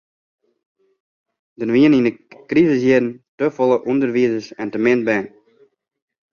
Der wienen yn de krisisjierren te folle ûnderwizers en te min bern.